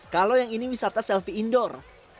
kalau yang ini wisata selfie indoor